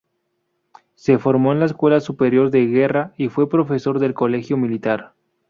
Se formó en la Escuela Superior de Guerra y fue profesor del Colegio Militar.